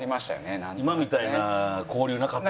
今みたいな交流なかった。